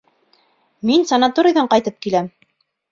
Мин санаторийҙан ҡайтып киләм.